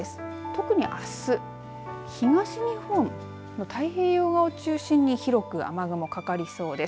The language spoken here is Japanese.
特にあす東日本の太平洋側を中心に広く雨雲かかりそうです。